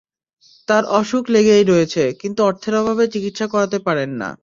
তাঁর অসুখ লেগেই রয়েছে, কিন্তু অর্থের অভাবে চিকিৎসা করাতে পারেন না।